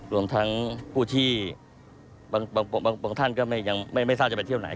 รวมทั้งผู้ที่บางท่านก็ยังไม่ทราบจะไปเที่ยวไหน